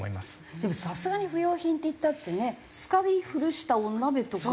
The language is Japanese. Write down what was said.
でもさすがに不要品っていったってね使い古したお鍋とか。